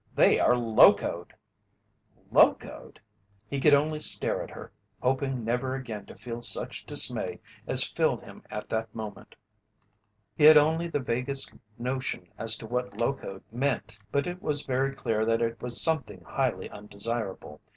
They are locoed!" "Locoed!" He could only stare at her, hoping never again to feel such dismay as filled him at that moment. He had only the vaguest notion as to what "locoed" meant, but it was very clear that it was something highly undesirable.